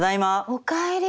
おかえり。